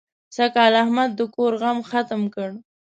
سږکال احمد د کور غم ختم کړ.